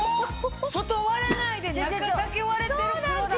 外割れないで中だけ割れてる！